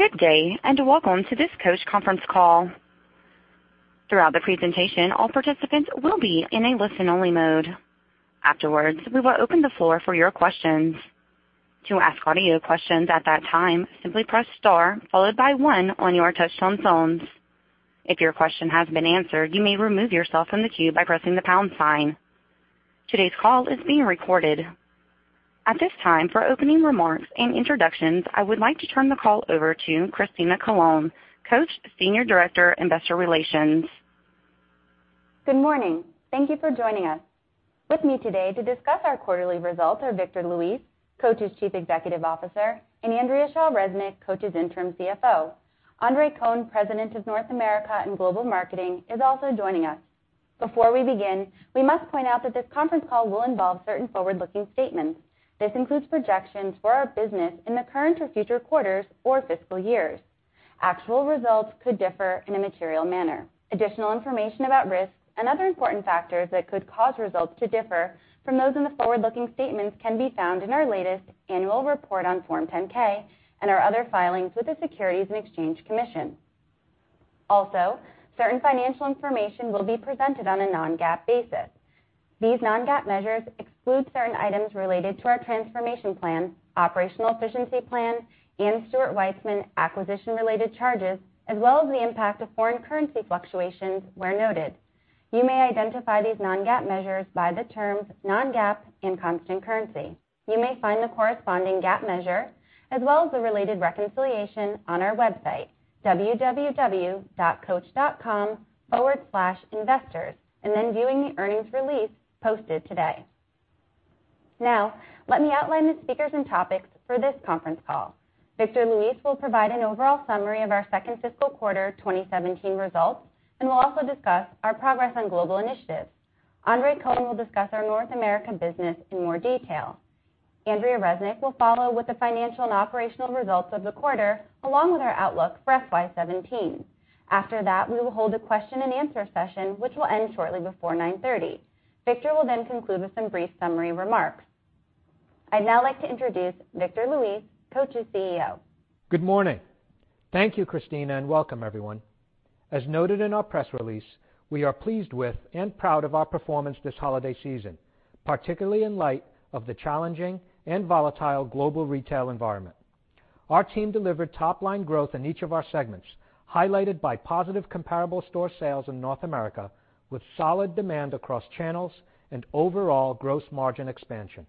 Good day, welcome to this Coach conference call. Throughout the presentation, all participants will be in a listen-only mode. Afterwards, we will open the floor for your questions. To ask audio questions at that time, simply press star followed by one on your touchtone phones. If your question has been answered, you may remove yourself from the queue by pressing the pound sign. Today's call is being recorded. At this time, for opening remarks and introductions, I would like to turn the call over to Christina Colone, Coach Senior Director, Investor Relations. Good morning. Thank you for joining us. With me today to discuss our quarterly results are Victor Luis, Coach's Chief Executive Officer, and Andrea Shaw Resnick, Coach's Interim CFO. Andre Cohen, President of North America and Global Marketing, is also joining us. Before we begin, we must point out that this conference call will involve certain forward-looking statements. This includes projections for our business in the current or future quarters or fiscal years. Actual results could differ in a material manner. Additional information about risks and other important factors that could cause results to differ from those in the forward-looking statements can be found in our latest annual report on Form 10-K and our other filings with the Securities and Exchange Commission. Certain financial information will be presented on a non-GAAP basis. These non-GAAP measures exclude certain items related to our transformation plan, operational efficiency plan, and Stuart Weitzman acquisition-related charges, as well as the impact of foreign currency fluctuations where noted. You may identify these non-GAAP measures by the terms "non-GAAP" and "constant currency." You may find the corresponding GAAP measure, as well as the related reconciliation, on our website, www.coach.com/investors, viewing the earnings release posted today. Let me outline the speakers and topics for this conference call. Victor Luis will provide an overall summary of our second fiscal quarter 2017 results and will also discuss our progress on global initiatives. Andre Cohen will discuss our North America business in more detail. Andrea Resnick will follow with the financial and operational results of the quarter, along with our outlook for FY17. We will hold a question and answer session, which will end shortly before 9:30. Victor will conclude with some brief summary remarks. I'd like to introduce Victor Luis, Coach's CEO. Good morning. Thank you, Christina, and welcome everyone. As noted in our press release, we are pleased with and proud of our performance this holiday season, particularly in light of the challenging and volatile global retail environment. Our team delivered top-line growth in each of our segments, highlighted by positive comparable store sales in North America, with solid demand across channels and overall gross margin expansion.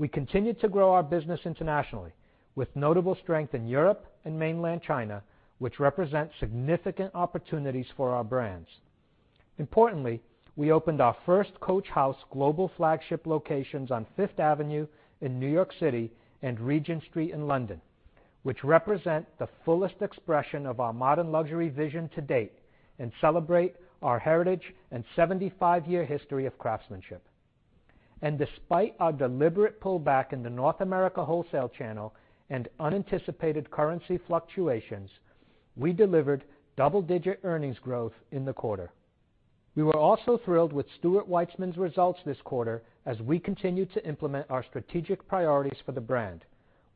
We continued to grow our business internationally, with notable strength in Europe and mainland China, which represent significant opportunities for our brands. Importantly, we opened our first Coach House global flagship locations on Fifth Avenue in New York City and Regent Street in London, which represent the fullest expression of our modern luxury vision to date and celebrate our heritage and 75-year history of craftsmanship. Despite our deliberate pullback in the North America wholesale channel and unanticipated currency fluctuations, we delivered double-digit earnings growth in the quarter. We were also thrilled with Stuart Weitzman's results this quarter as we continue to implement our strategic priorities for the brand.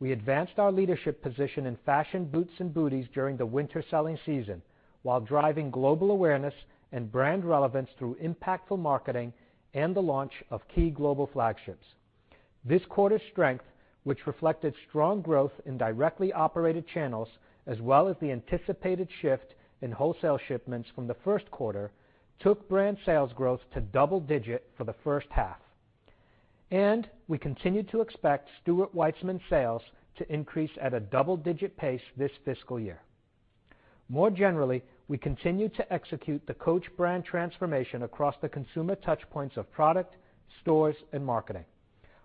We advanced our leadership position in fashion boots and booties during the winter selling season while driving global awareness and brand relevance through impactful marketing and the launch of key global flagships. This quarter's strength, which reflected strong growth in directly operated channels as well as the anticipated shift in wholesale shipments from the first quarter, took brand sales growth to double digit for the first half. We continue to expect Stuart Weitzman sales to increase at a double-digit pace this fiscal year. More generally, we continue to execute the Coach brand transformation across the consumer touchpoints of product, stores, and marketing.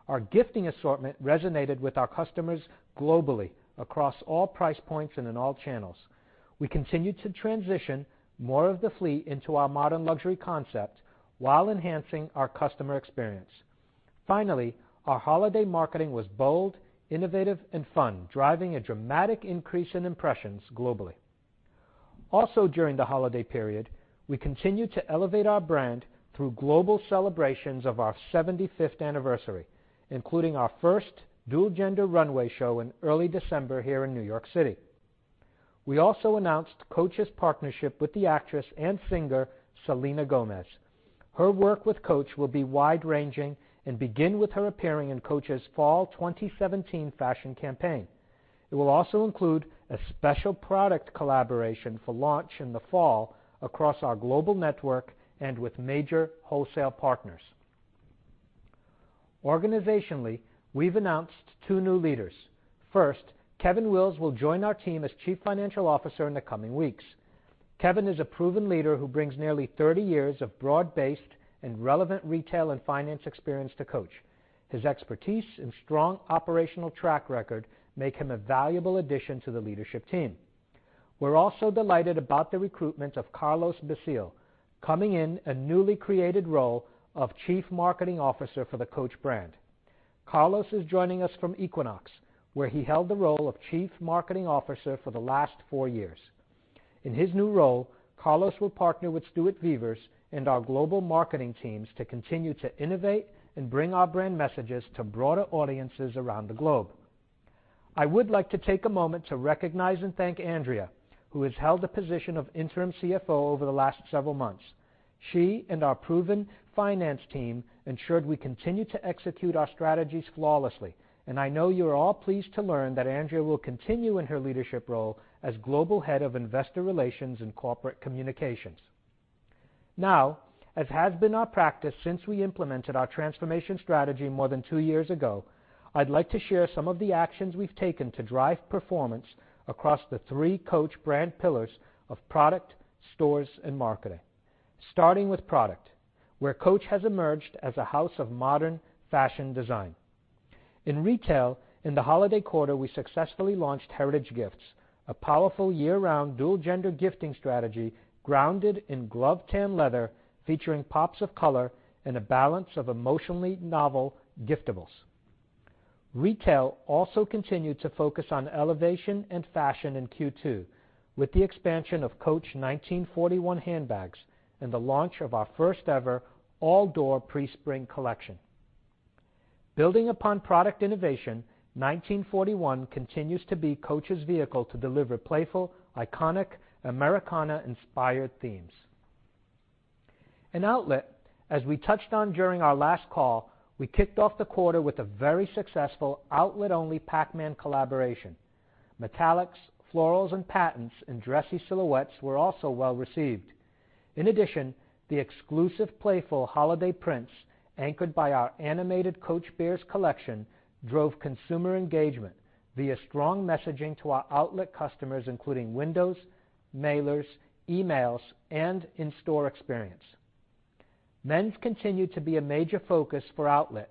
Our gifting assortment resonated with our customers globally, across all price points, and in all channels. We continued to transition more of the fleet into our modern luxury concept while enhancing our customer experience. Finally, our holiday marketing was bold, innovative, and fun, driving a dramatic increase in impressions globally. Also during the holiday period, we continued to elevate our brand through global celebrations of our 75th anniversary, including our first dual-gender runway show in early December here in New York City. We also announced Coach's partnership with the actress and singer Selena Gomez. Her work with Coach will be wide-ranging and begin with her appearing in Coach's fall 2017 fashion campaign. It will also include a special product collaboration for launch in the fall across our global network and with major wholesale partners. Organizationally, we've announced two new leaders. First, Kevin Wills will join our team as Chief Financial Officer in the coming weeks. Kevin is a proven leader who brings nearly 30 years of broad-based and relevant retail and finance experience to Coach. His expertise and strong operational track record make him a valuable addition to the leadership team. We're also delighted about the recruitment of Carlos Becil, coming in a newly created role of Chief Marketing Officer for the Coach brand. Carlos is joining us from Equinox, where he held the role of Chief Marketing Officer for the last four years. In his new role, Carlos will partner with Stuart Vevers and our global marketing teams to continue to innovate and bring our brand messages to broader audiences around the globe. I would like to take a moment to recognize and thank Andrea, who has held the position of interim CFO over the last several months. She and our proven finance team ensured we continue to execute our strategies flawlessly. I know you're all pleased to learn that Andrea will continue in her leadership role as global head of investor relations and corporate communications. As has been our practice since we implemented our transformation strategy more than two years ago, I'd like to share some of the actions we've taken to drive performance across the three Coach brand pillars of product, stores, and marketing. Starting with product, where Coach has emerged as a house of modern fashion design. In retail, in the holiday quarter, we successfully launched Heritage Gifts, a powerful year-round dual-gender gifting strategy grounded in glovetanned leather featuring pops of color and a balance of emotionally novel giftables. Retail also continued to focus on elevation and fashion in Q2 with the expansion of Coach 1941 handbags and the launch of our first-ever all door pre-spring collection. Building upon product innovation, 1941 continues to be Coach's vehicle to deliver playful, iconic, Americana-inspired themes. In outlet, as we touched on during our last call, we kicked off the quarter with a very successful outlet-only Pac-Man collaboration. Metallics, florals, and patents in dressy silhouettes were also well-received. In addition, the exclusive playful holiday prints, anchored by our animated Coach Bears collection, drove consumer engagement via strong messaging to our outlet customers, including windows, mailers, emails, and in-store experience. Men's continued to be a major focus for outlet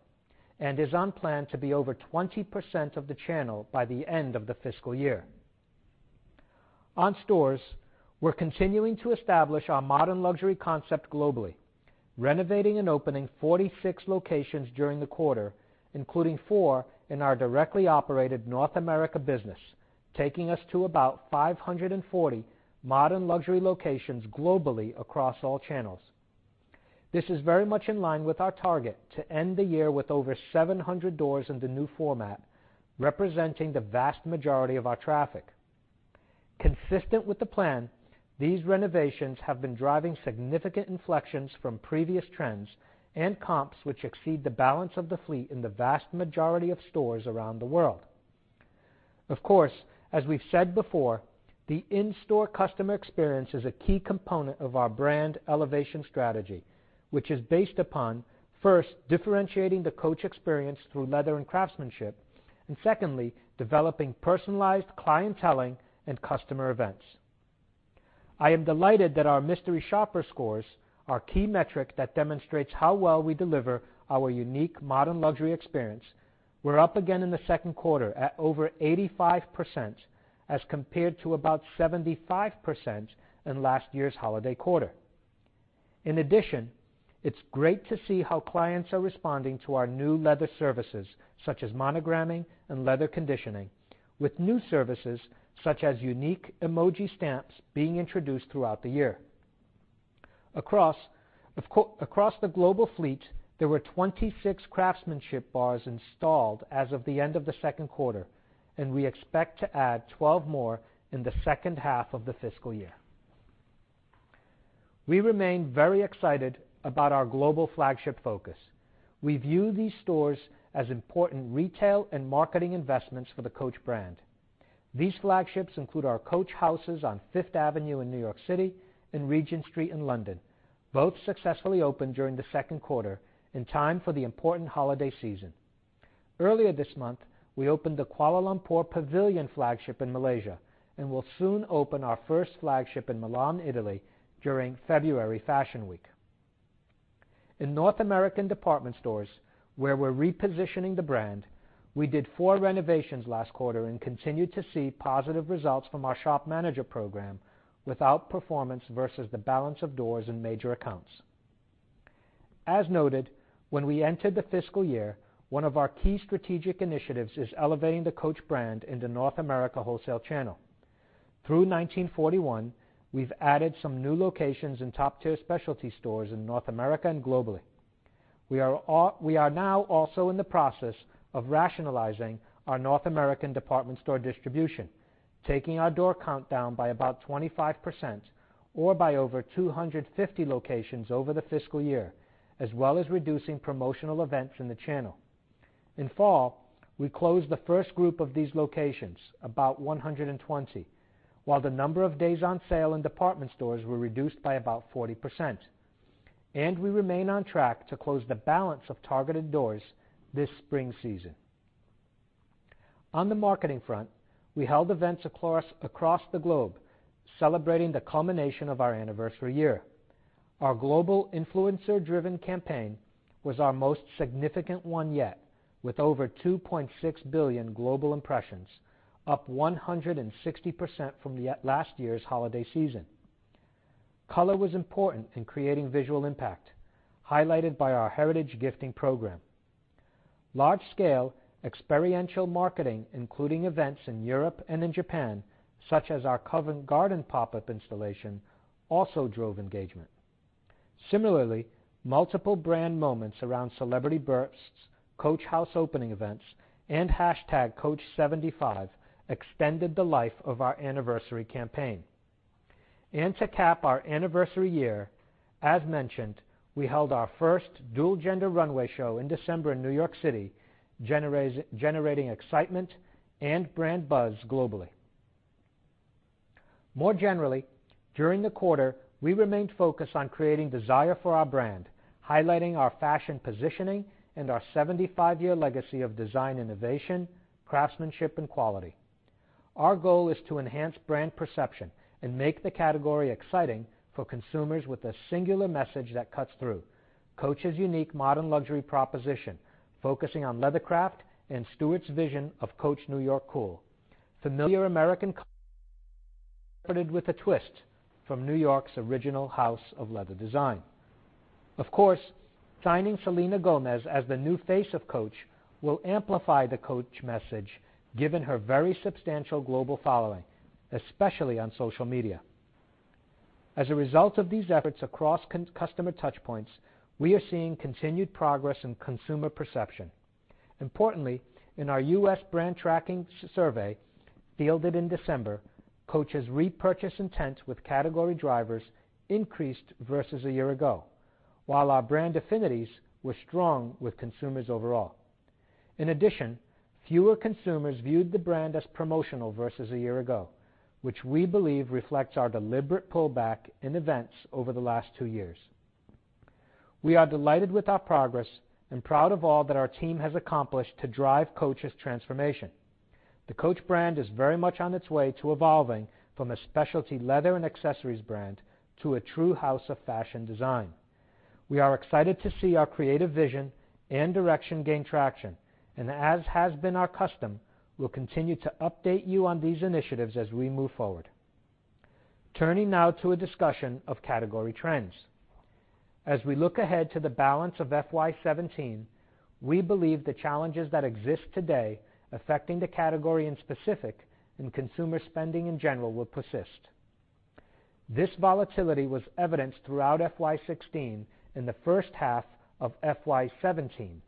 and is on plan to be over 20% of the channel by the end of the fiscal year. On stores, we're continuing to establish our modern luxury concept globally, renovating and opening 46 locations during the quarter, including four in our directly operated North America business, taking us to about 540 modern luxury locations globally across all channels. This is very much in line with our target to end the year with over 700 doors in the new format, representing the vast majority of our traffic. Consistent with the plan, these renovations have been driving significant inflections from previous trends and comps, which exceed the balance of the fleet in the vast majority of stores around the world. Of course, as we've said before, the in-store customer experience is a key component of our brand elevation strategy, which is based upon, first, differentiating the Coach experience through leather and craftsmanship. Secondly, developing personalized clienteling and customer events. I am delighted that our mystery shopper scores, our key metric that demonstrates how well we deliver our unique modern luxury experience, were up again in the second quarter at over 85% as compared to about 75% in last year's holiday quarter. In addition, it's great to see how clients are responding to our new leather services, such as monogramming and leather conditioning, with new services such as unique emoji stamps being introduced throughout the year. Across the global fleet, there were 26 craftsmanship bars installed as of the end of the second quarter. We expect to add 12 more in the second half of the fiscal year. We remain very excited about our global flagship focus. We view these stores as important retail and marketing investments for the Coach brand. These flagships include our Coach Houses on Fifth Avenue in New York City and Regent Street in London, both successfully opened during the second quarter in time for the important holiday season. Earlier this month, we opened the Kuala Lumpur Pavilion flagship in Malaysia and will soon open our first flagship in Milan, Italy, during February Fashion Week. In North American department stores, where we're repositioning the brand, we did four renovations last quarter and continued to see positive results from our shop manager program without performance versus the balance of doors and major accounts. As noted, when we entered the fiscal year, one of our key strategic initiatives is elevating the Coach brand in the North America wholesale channel. Through 1941, we've added some new locations in top-tier specialty stores in North America and globally. We are now also in the process of rationalizing our North American department store distribution, taking our door count down by about 25%, or by over 250 locations over the fiscal year, as well as reducing promotional events in the channel. In fall, we closed the first group of these locations, about 120, while the number of days on sale in department stores were reduced by about 40%. We remain on track to close the balance of targeted doors this spring season. On the marketing front, we held events across the globe celebrating the culmination of our anniversary year. Our global influencer-driven campaign was our most significant one yet with over 2.6 billion global impressions, up 160% from last year's holiday season. Color was important in creating visual impact, highlighted by our Heritage Gifting Program. Large-scale experiential marketing, including events in Europe and in Japan, such as our Covent Garden pop-up installation, also drove engagement. Similarly, multiple brand moments around celebrity bursts, Coach House opening events, and #coach75 extended the life of our anniversary campaign. To cap our anniversary year, as mentioned, we held our first dual-gender runway show in December in New York City, generating excitement and brand buzz globally. More generally, during the quarter, we remained focused on creating desire for our brand, highlighting our fashion positioning and our 75-year legacy of design innovation, craftsmanship, and quality. Our goal is to enhance brand perception and make the category exciting for consumers with a singular message that cuts through. Coach's unique modern luxury proposition focusing on leathercraft and Stuart's vision of Coach New York cool. Familiar American color interpreted with a twist from New York's original house of leather design. Of course, signing Selena Gomez as the new face of Coach will amplify the Coach message given her very substantial global following, especially on social media. As a result of these efforts across customer touchpoints, we are seeing continued progress in consumer perception. Importantly, in our U.S. brand tracking survey fielded in December, Coach's repurchase intent with category drivers increased versus a year ago, while our brand affinities were strong with consumers overall. In addition, fewer consumers viewed the brand as promotional versus a year ago, which we believe reflects our deliberate pullback in events over the last two years. We are delighted with our progress and proud of all that our team has accomplished to drive Coach's transformation. The Coach brand is very much on its way to evolving from a specialty leather and accessories brand to a true house of fashion design. We are excited to see our creative vision and direction gain traction. As has been our custom, we'll continue to update you on these initiatives as we move forward. Turning now to a discussion of category trends. As we look ahead to the balance of FY 2017, we believe the challenges that exist today affecting the category in specific and consumer spending in general will persist. This volatility was evidenced throughout FY 2016 and the first half of FY 2017,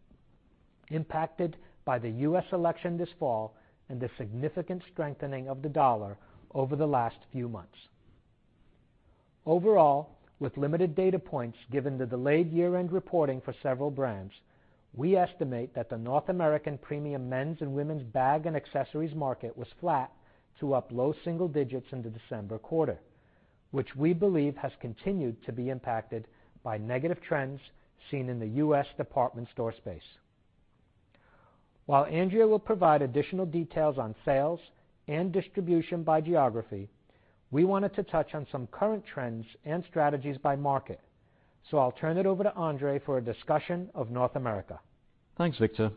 impacted by the U.S. election this fall and the significant strengthening of the dollar over the last few months. Overall, with limited data points given the delayed year-end reporting for several brands, we estimate that the North American premium men's and women's bag and accessories market was flat to up low single digits in the December quarter, which we believe has continued to be impacted by negative trends seen in the U.S. department store space. While Andrea will provide additional details on sales and distribution by geography, we wanted to touch on some current trends and strategies by market. I'll turn it over to Andre for a discussion of North America. Thanks, Victor.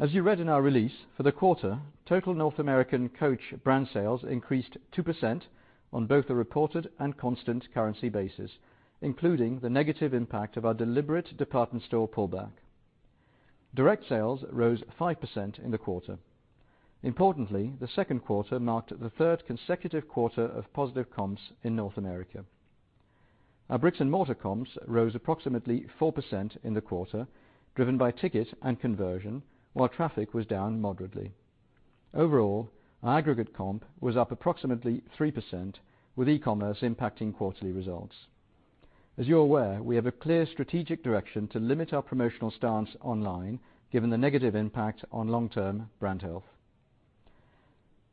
As you read in our release, for the quarter, total North American Coach brand sales increased 2% on both the reported and constant currency basis, including the negative impact of our deliberate department store pullback. Direct sales rose 5% in the quarter. Importantly, the second quarter marked the third consecutive quarter of positive comps in North America. Our bricks and mortar comps rose approximately 4% in the quarter, driven by ticket and conversion, while traffic was down moderately. Overall, our aggregate comp was up approximately 3%, with e-commerce impacting quarterly results. As you're aware, we have a clear strategic direction to limit our promotional stance online given the negative impact on long-term brand health.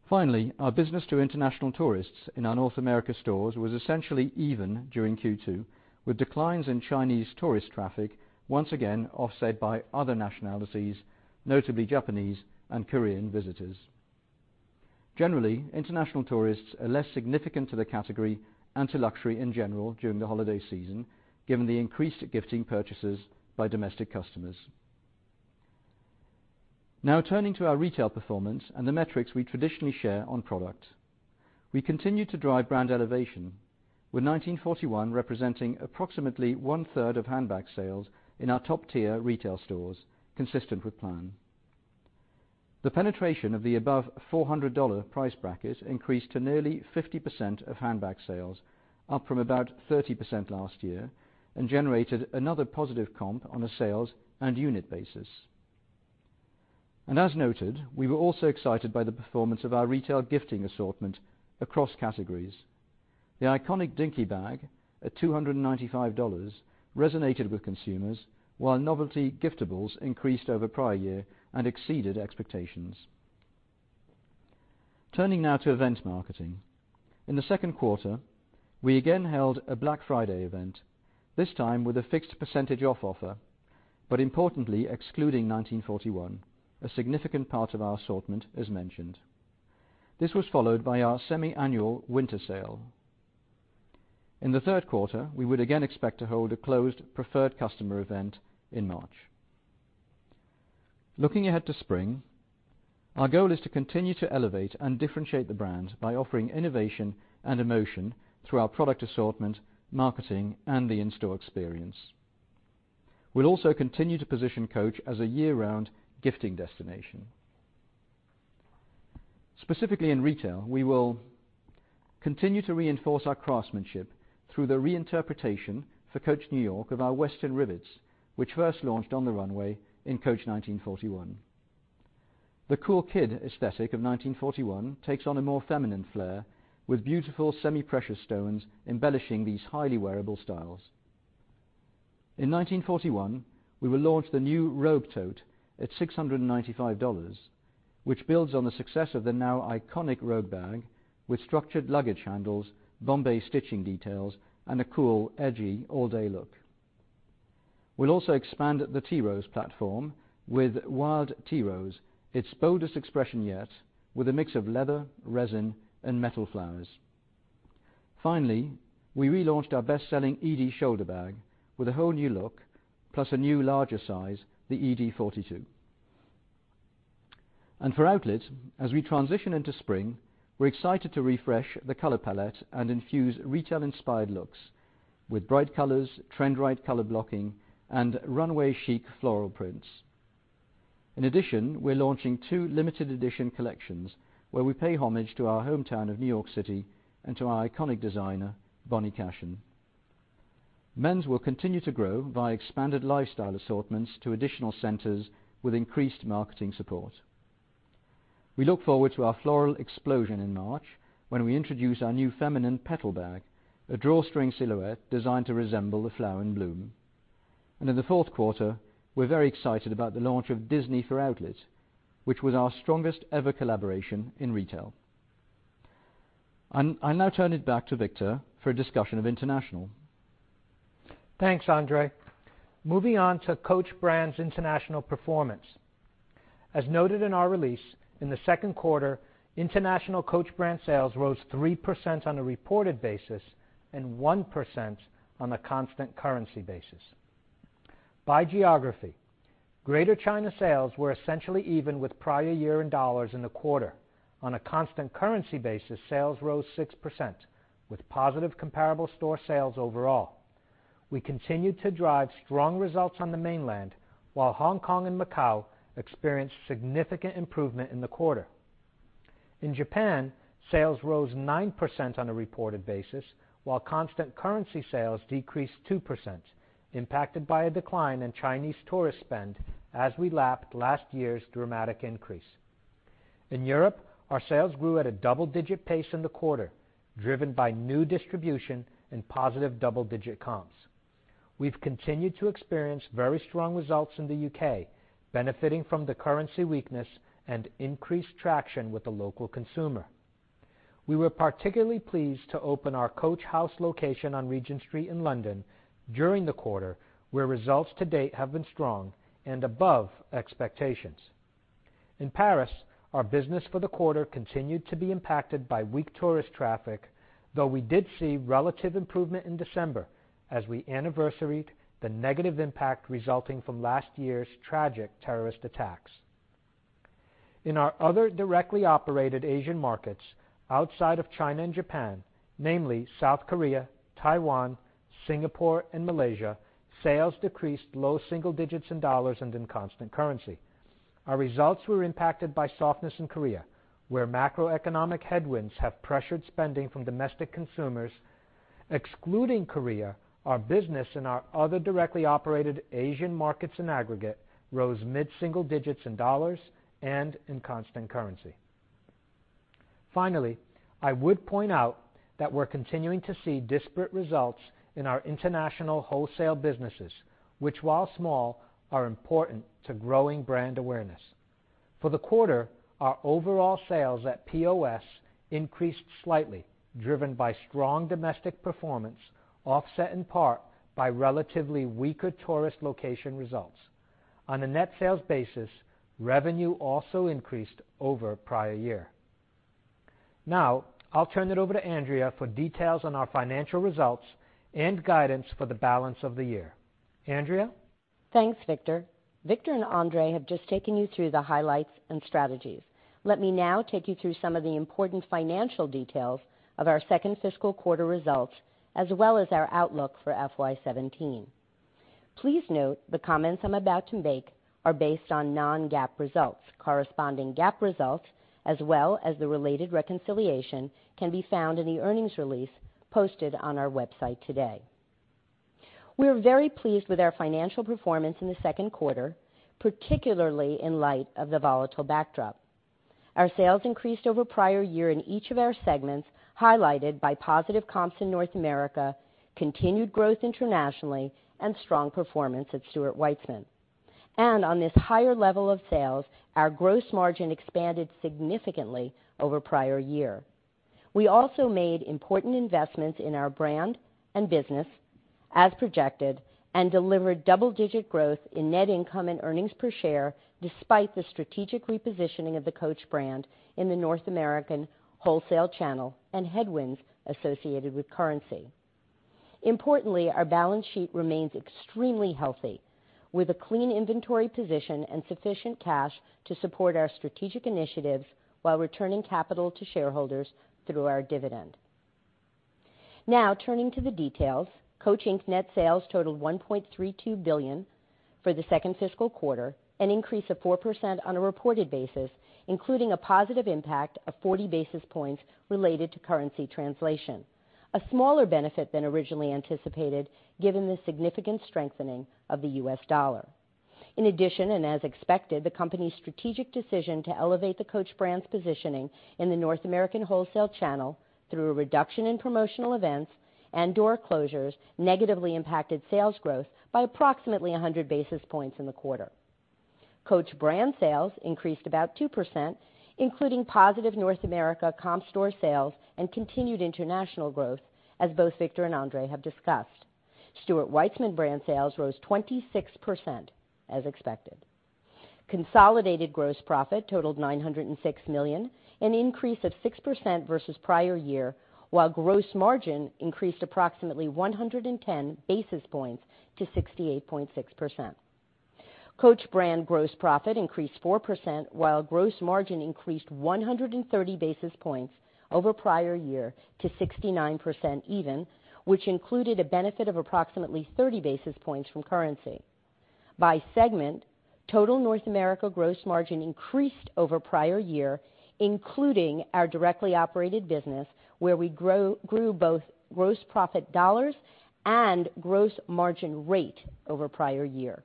Finally, our business to international tourists in our North America stores was essentially even during Q2, with declines in Chinese tourist traffic once again offset by other nationalities, notably Japanese and Korean visitors. Generally, international tourists are less significant to the category and to luxury in general during the holiday season given the increased gifting purchases by domestic customers. Turning to our retail performance and the metrics we traditionally share on product. We continue to drive brand elevation, with 1941 representing approximately one-third of handbag sales in our top-tier retail stores, consistent with plan. The penetration of the above $400 price bracket increased to nearly 50% of handbag sales, up from about 30% last year, and generated another positive comp on a sales and unit basis. As noted, we were also excited by the performance of our retail gifting assortment across categories. The iconic Dinky bag at $295 resonated with consumers, while novelty giftables increased over prior year and exceeded expectations. Turning now to event marketing. In the second quarter, we again held a Black Friday event, this time with a fixed percentage off offer, but importantly excluding 1941, a significant part of our assortment as mentioned. This was followed by our semi-annual winter sale. In the third quarter, we would again expect to hold a closed preferred customer event in March. Looking ahead to spring, our goal is to continue to elevate and differentiate the brand by offering innovation and emotion through our product assortment, marketing, and the in-store experience. We'll also continue to position Coach as a year-round gifting destination. Specifically in retail, we will continue to reinforce our craftsmanship through the reinterpretation for Coach New York of our western rivets, which first launched on the runway in Coach 1941. The cool kid aesthetic of 1941 takes on a more feminine flair with beautiful semi-precious stones embellishing these highly wearable styles. In 1941, we will launch the new Rogue tote at $695, which builds on the success of the now iconic Rogue bag with structured luggage handles, bombé stitching details, and a cool, edgy all-day look. We'll also expand the Tea Rose platform with Wild Tea Rose, its boldest expression yet, with a mix of leather, resin, and metal flowers. Finally, we relaunched our best-selling Edie shoulder bag with a whole new look, plus a new larger size, the Edie 42. For outlet, as we transition into spring, we're excited to refresh the color palette and infuse retail-inspired looks with bright colors, trend-right color blocking, and runway chic floral prints. In addition, we're launching two limited edition collections where we pay homage to our hometown of New York City and to our iconic designer, Bonnie Cashin. Men's will continue to grow by expanded lifestyle assortments to additional centers with increased marketing support. We look forward to our floral explosion in March when we introduce our new feminine Petal bag, a drawstring silhouette designed to resemble a flower in bloom. In the fourth quarter, we're very excited about the launch of Disney for Outlet, which was our strongest ever collaboration in retail. I now turn it back to Victor for a discussion of international. Thanks, Andre. Moving on to Coach brand's international performance. As noted in our release, in the second quarter, international Coach brand sales rose 3% on a reported basis and 1% on a constant currency basis. By geography, Greater China sales were essentially even with prior year in dollars in the quarter. On a constant currency basis, sales rose 6%, with positive comparable store sales overall. We continued to drive strong results on the mainland, while Hong Kong and Macau experienced significant improvement in the quarter. In Japan, sales rose 9% on a reported basis, while constant currency sales decreased 2%, impacted by a decline in Chinese tourist spend as we lapped last year's dramatic increase. In Europe, our sales grew at a double-digit pace in the quarter, driven by new distribution and positive double-digit comps. We've continued to experience very strong results in the U.K., benefiting from the currency weakness and increased traction with the local consumer. We were particularly pleased to open our Coach House location on Regent Street in London during the quarter, where results to date have been strong and above expectations. In Paris, our business for the quarter continued to be impacted by weak tourist traffic, though we did see relative improvement in December as we anniversaried the negative impact resulting from last year's tragic terrorist attacks. In our other directly operated Asian markets outside of China and Japan, namely South Korea, Taiwan, Singapore, and Malaysia, sales decreased low single digits in $ and in constant currency. Our results were impacted by softness in Korea, where macroeconomic headwinds have pressured spending from domestic consumers. Excluding Korea, our business in our other directly operated Asian markets in aggregate rose mid-single digits in $ and in constant currency. Finally, I would point out that we're continuing to see disparate results in our international wholesale businesses, which, while small, are important to growing brand awareness. For the quarter, our overall sales at POS increased slightly, driven by strong domestic performance, offset in part by relatively weaker tourist location results. On a net sales basis, revenue also increased over prior year. Now, I'll turn it over to Andrea for details on our financial results and guidance for the balance of the year. Andrea? Thanks, Victor. Victor and Andre have just taken you through the highlights and strategies. Let me now take you through some of the important financial details of our second fiscal quarter results, as well as our outlook for FY 2017. Please note the comments I'm about to make are based on non-GAAP results. Corresponding GAAP results, as well as the related reconciliation, can be found in the earnings release posted on our website today. We are very pleased with our financial performance in the second quarter, particularly in light of the volatile backdrop. Our sales increased over prior year in each of our segments, highlighted by positive comps in North America, continued growth internationally, and strong performance at Stuart Weitzman. On this higher level of sales, our gross margin expanded significantly over prior year. We also made important investments in our brand and business as projected and delivered double-digit growth in net income and earnings per share, despite the strategic repositioning of the Coach brand in the North American wholesale channel and headwinds associated with currency. Importantly, our balance sheet remains extremely healthy, with a clean inventory position and sufficient cash to support our strategic initiatives while returning capital to shareholders through our dividend. Now turning to the details, Coach, Inc. net sales totaled $1.32 billion for the second fiscal quarter, an increase of 4% on a reported basis, including a positive impact of 40 basis points related to currency translation, a smaller benefit than originally anticipated given the significant strengthening of the U.S. dollar. In addition, and as expected, the company's strategic decision to elevate the Coach brand's positioning in the North America wholesale channel through a reduction in promotional events and door closures negatively impacted sales growth by approximately 100 basis points in the quarter. Coach brand sales increased about 2%, including positive North America comp store sales and continued international growth, as both Victor and Andre have discussed. Stuart Weitzman brand sales rose 26%, as expected. Consolidated gross profit totaled $906 million, an increase of 6% versus prior year, while gross margin increased approximately 110 basis points to 68.6%. Coach brand gross profit increased 4%, while gross margin increased 130 basis points over prior year to 69% even, which included a benefit of approximately 30 basis points from currency. By segment, total North America gross margin increased over prior year, including our directly operated business, where we grew both gross profit dollars and gross margin rate over prior year.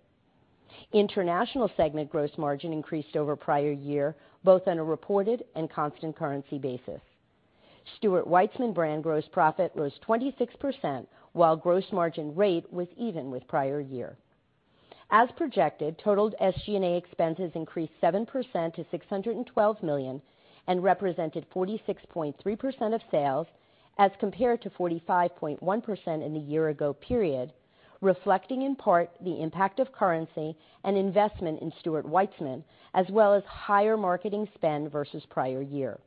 International segment gross margin increased over prior year, both on a reported and constant currency basis. Stuart Weitzman brand gross profit rose 26%, while gross margin rate was even with prior year. As projected, total SG&A expenses increased 7% to $612 million and represented 46.3% of sales as compared to 45.1% in the year-ago period, reflecting in part the impact of currency and investment in Stuart Weitzman, as well as higher marketing spend versus prior year.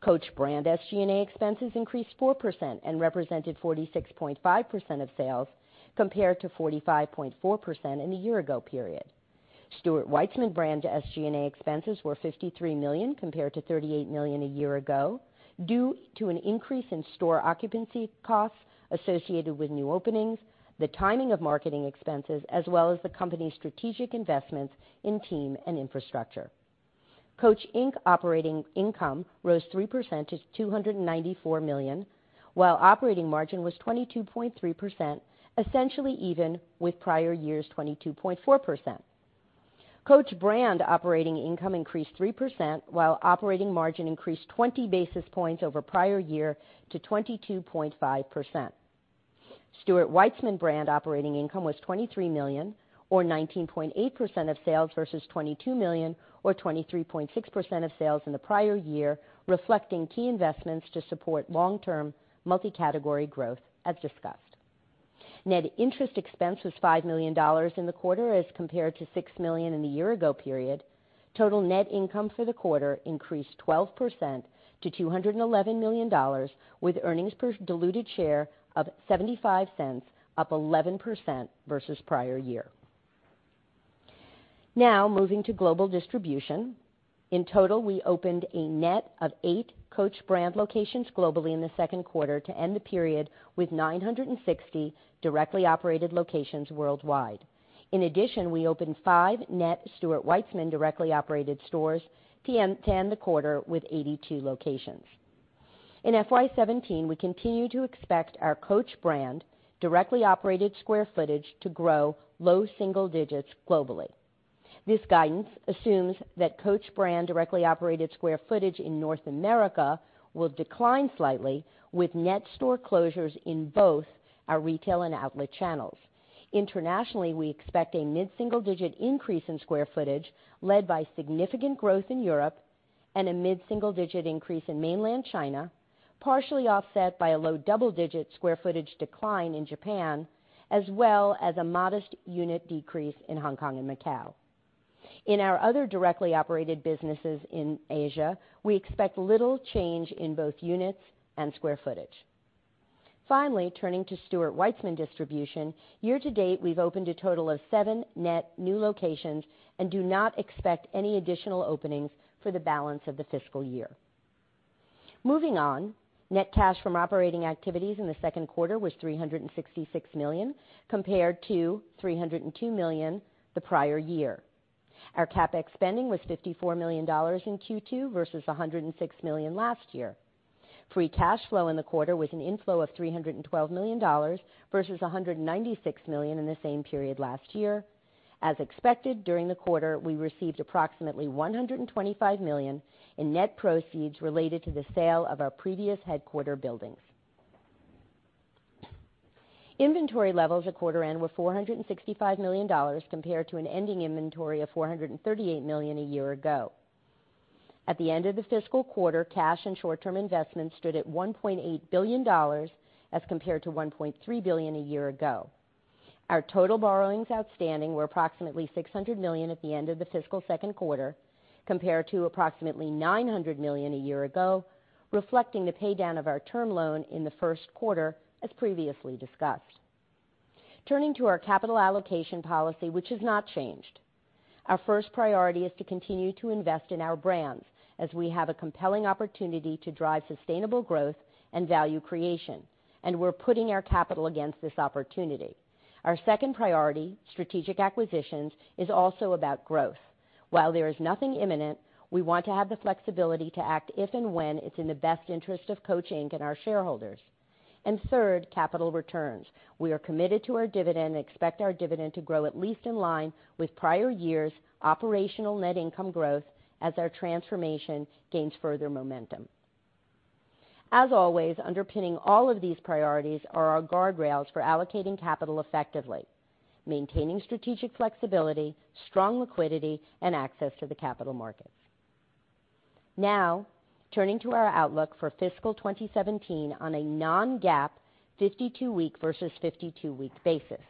Coach brand SG&A expenses increased 4% and represented 46.5% of sales compared to 45.4% in the year-ago period. Stuart Weitzman brand SG&A expenses were $53 million compared to $38 million a year ago due to an increase in store occupancy costs associated with new openings, the timing of marketing expenses, as well as the company's strategic investments in team and infrastructure. Coach, Inc. operating income rose 3% to $294 million, while operating margin was 22.3%, essentially even with prior year's 22.4%. Coach brand operating income increased 3%, while operating margin increased 20 basis points over prior year to 22.5%. Stuart Weitzman brand operating income was $23 million, or 19.8% of sales versus $22 million, or 23.6% of sales in the prior year, reflecting key investments to support long-term multi-category growth, as discussed. Net interest expense was $5 million in the quarter as compared to $6 million in the year-ago period. Total net income for the quarter increased 12% to $211 million, with earnings per diluted share of $0.75, up 11% versus prior year. Now moving to global distribution. In total, we opened a net of eight Coach brand locations globally in the second quarter to end the period with 960 directly operated locations worldwide. In addition, we opened five net Stuart Weitzman directly operated stores to end the quarter with 82 locations. In FY 2017, we continue to expect our Coach brand directly operated square footage to grow low single digits globally. This guidance assumes that Coach brand directly operated square footage in North America will decline slightly with net store closures in both our retail and outlet channels. Internationally, we expect a mid-single-digit increase in square footage led by significant growth in Europe and a mid-single-digit increase in Mainland China, partially offset by a low double-digit square footage decline in Japan, as well as a modest unit decrease in Hong Kong and Macau. In our other directly operated businesses in Asia, we expect little change in both units and square footage. Finally, turning to Stuart Weitzman distribution, year to date, we've opened a total of seven net new locations and do not expect any additional openings for the balance of the fiscal year. Moving on, net cash from operating activities in the second quarter was $366 million, compared to $302 million the prior year. Our CapEx spending was $54 million in Q2 versus $106 million last year. Free cash flow in the quarter was an inflow of $312 million versus $196 million in the same period last year. As expected, during the quarter, we received approximately $125 million in net proceeds related to the sale of our previous headquarter buildings. Inventory levels at quarter end were $465 million compared to an ending inventory of $438 million a year ago. At the end of the fiscal quarter, cash and short-term investments stood at $1.8 billion as compared to $1.3 billion a year ago. Our total borrowings outstanding were approximately $600 million at the end of the fiscal second quarter, compared to approximately $900 million a year ago, reflecting the paydown of our term loan in the first quarter, as previously discussed. Turning to our capital allocation policy, which has not changed. Our first priority is to continue to invest in our brands as we have a compelling opportunity to drive sustainable growth and value creation, and we're putting our capital against this opportunity. Our second priority, strategic acquisitions, is also about growth. While there is nothing imminent, we want to have the flexibility to act if and when it's in the best interest of Coach, Inc. and our shareholders. Third, capital returns. We are committed to our dividend and expect our dividend to grow at least in line with prior years' operational net income growth as our transformation gains further momentum. As always, underpinning all of these priorities are our guardrails for allocating capital effectively, maintaining strategic flexibility, strong liquidity, and access to the capital markets. Turning to our outlook for fiscal 2017 on a non-GAAP 52-week versus 52-week basis.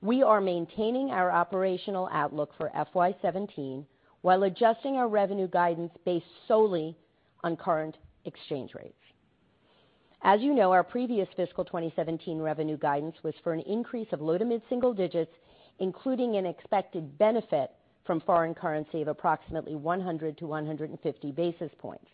We are maintaining our operational outlook for FY 2017 while adjusting our revenue guidance based solely on current exchange rates. As you know, our previous fiscal 2017 revenue guidance was for an increase of low to mid-single digits, including an expected benefit from foreign currency of approximately 100 to 150 basis points.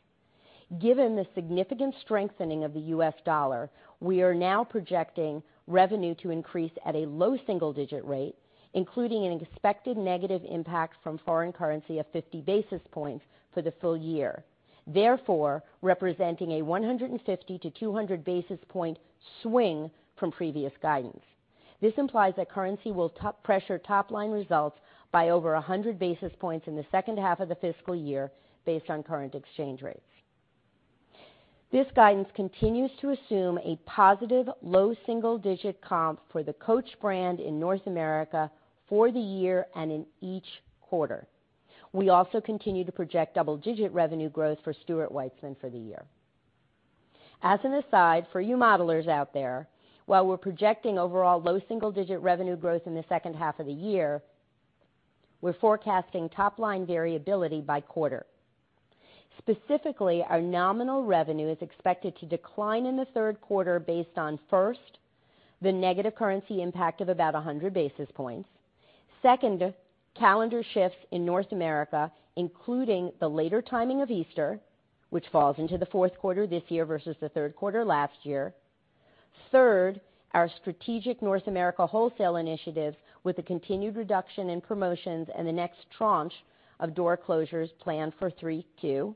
Given the significant strengthening of the US dollar, we are now projecting revenue to increase at a low single-digit rate, including an expected negative impact from foreign currency of 50 basis points for the full year. Therefore, representing a 150-200 basis point swing from previous guidance. This implies that currency will pressure top-line results by over 100 basis points in the second half of the fiscal year based on current exchange rates. This guidance continues to assume a positive low single-digit comp for the Coach brand in North America for the year and in each quarter. We also continue to project double-digit revenue growth for Stuart Weitzman for the year. As an aside, for you modelers out there, while we're projecting overall low double-digit revenue growth in the second half of the year, we're forecasting top-line variability by quarter. Specifically, our nominal revenue is expected to decline in the third quarter based on, first, the negative currency impact of about 100 basis points. Second, calendar shifts in North America, including the later timing of Easter, which falls into the fourth quarter this year versus the third quarter last year. Third, our strategic North America wholesale initiative with a continued reduction in promotions and the next tranche of door closures planned for 3Q.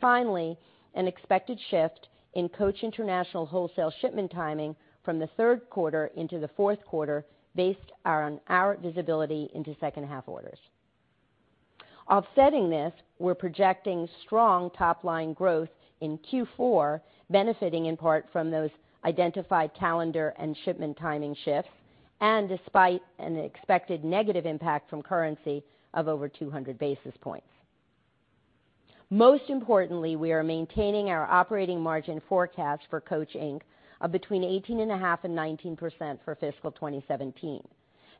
Finally, an expected shift in Coach international wholesale shipment timing from the third quarter into the fourth quarter based on our visibility into second-half orders. Offsetting this, we're projecting strong top-line growth in Q4, benefiting in part from those identified calendar and shipment timing shifts, and despite an expected negative impact from currency of over 200 basis points. Most importantly, we are maintaining our operating margin forecast for Coach, Inc. of between 18.5 and 19% for fiscal 2017.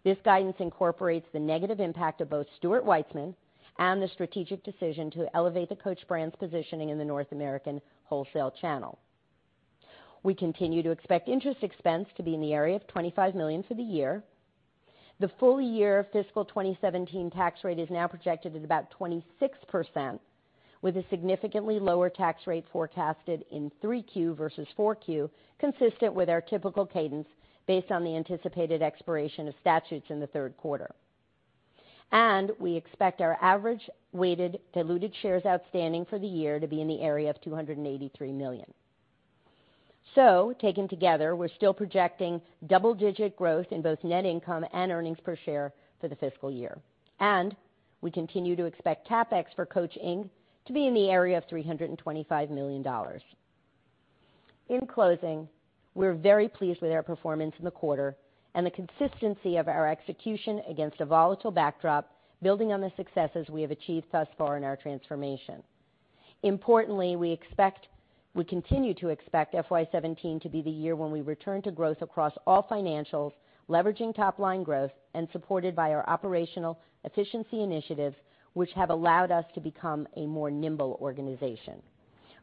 This guidance incorporates the negative impact of both Stuart Weitzman and the strategic decision to elevate the Coach brand's positioning in the North American wholesale channel. We continue to expect interest expense to be in the area of $25 million for the year. The full year of fiscal 2017 tax rate is now projected at about 26%, with a significantly lower tax rate forecasted in 3Q versus 4Q, consistent with our typical cadence based on the anticipated expiration of statutes in the third quarter. We expect our average weighted diluted shares outstanding for the year to be in the area of 283 million. Taken together, we're still projecting double-digit growth in both net income and earnings per share for the fiscal year. We continue to expect CapEx for Coach, Inc. to be in the area of $325 million. In closing, we're very pleased with our performance in the quarter and the consistency of our execution against a volatile backdrop, building on the successes we have achieved thus far in our transformation. Importantly, we continue to expect FY 2017 to be the year when we return to growth across all financials, leveraging top-line growth and supported by our operational efficiency initiatives, which have allowed us to become a more nimble organization.